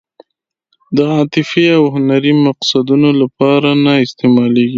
د عاطفي او هنري مقصدونو لپاره نه استعمالېږي.